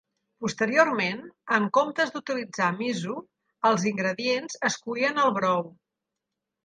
Posteriorment, en comptes d'utilitzar miso, els ingredients es coïen al brou.